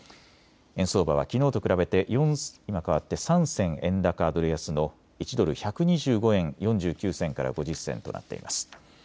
円相場はきのうと比べて３銭円高ドル安の１ドル１２５円４９銭から５０銭となっています。